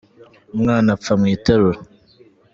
Umwana apfa mwiterura.